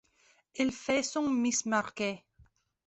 Elle fait son Miss Marquet.